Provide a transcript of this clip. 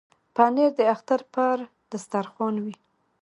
پنېر د اختر پر دسترخوان وي.